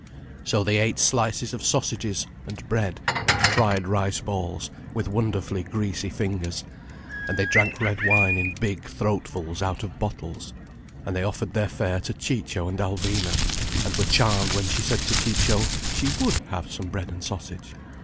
So they ate slices of sausages and bread and fried rice balls, with wonderfully greasy fingers, and they drank red wine in big throatfuls out of bottles, and they offered their fare to Ciccio and Alvina, and were charmed when she said to Ciccio she would have some bread and sausage.